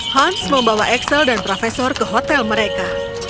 hans membawa axel dan profesor ke hotel mereka